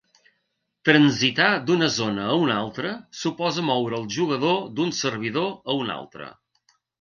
Transitar d'una zona a una altra suposa moure al jugador d'un servidor a un altre.